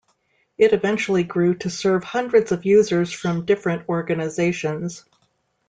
It eventually grew to serve hundreds of users from different organizations.